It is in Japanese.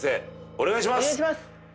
お願いします。